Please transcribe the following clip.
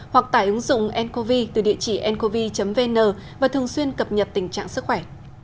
hoặc tải ứng dụng ncovi từ địa chỉ ncovi vn và thường xuyên cập nhật tình trạng sức khỏe